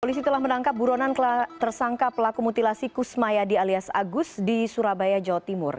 polisi telah menangkap buronan tersangka pelaku mutilasi kusmayadi alias agus di surabaya jawa timur